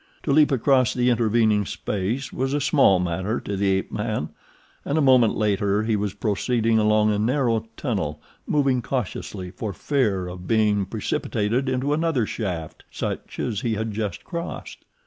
To leap across the intervening space was a small matter to the ape man, and a moment later he was proceeding along a narrow tunnel, moving cautiously for fear of being precipitated into another shaft such as he had just crossed.